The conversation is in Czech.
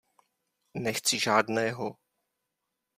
Nechci žádného!